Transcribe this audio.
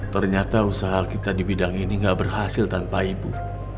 ternyata usaha kita di bidang ini tidak berhasil tanpa ibu